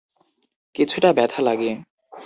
কিছুটা ব্যথা লাগে।